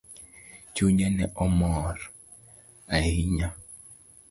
Chunye ne mor ahinya.